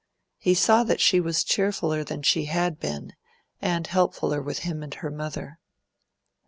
He saw that she was cheerfuller than she had been, and helpfuller with him and her mother.